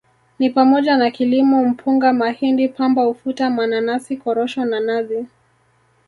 Ni pamoja na kilimo Mpunga Mahindi Pamba Ufuta Mananasi Korosho na Nazi